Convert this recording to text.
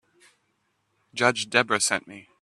Judge Debra sent me.